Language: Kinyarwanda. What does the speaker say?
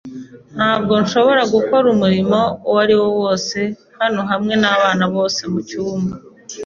Ntabwo nshobora gukora umurimo uwo ariwo wose hano hamwe nabana bose mucyumba.